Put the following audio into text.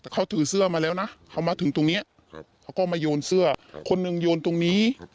แต่เขาถือเสื้อมาแล้วนะเขามาถึงตรงนี้เขาก็มาโยนเสื้อคนหนึ่งโยนตรงนี้